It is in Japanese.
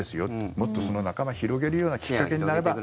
もっとその仲間を広げるようなきっかけになれば。